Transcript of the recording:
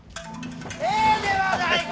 ええではないか！